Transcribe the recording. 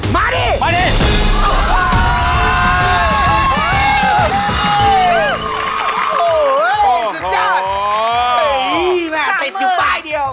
มากันไกรสุโคไทยครับสุโคไทยครับสุโคไทยครับ